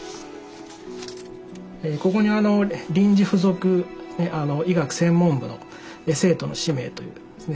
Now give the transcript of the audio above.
ここに臨時附属医学専門部の生徒の氏名というですね